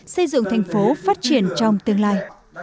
xây dựng thành phố phát triển trong tương lai